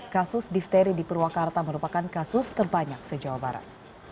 kasus difteri di purwakarta merupakan kasus terbanyak se jawa barat